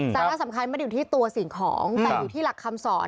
สาระสำคัญไม่ได้อยู่ที่ตัวสิ่งของแต่อยู่ที่หลักคำสอน